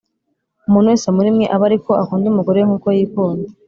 Umuntu wese muri mwe abe ari ko akunda umugore we nk uko yikunda